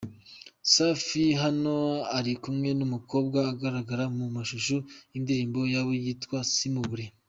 Safi hano ari kumwe n'umukobwa ugaragara mu mashusho y'indirimbo yabo yitwa Simubure.